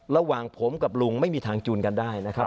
ระหว่างผมกับลุงไม่มีทางจูนกันได้นะครับ